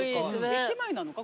駅前なのか？